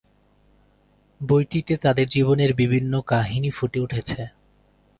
বইটিতে তাদের জীবনের বিভিন্ন কাহিনি ফুটে উঠেছে।